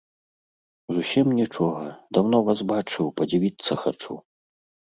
Зусім нічога, даўно вас бачыў, падзівіцца хачу.